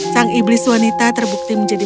sang iblis wanita terbukti menjadi